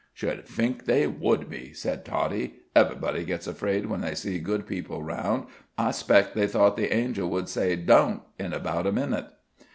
"Should fink they would be," said Toddie. "Everybody gets afraid when they see good people around. I 'spec' they thought the angel would say 'don't!' in about a minute."